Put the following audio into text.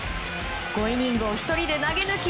５イニングを１人で投げ抜き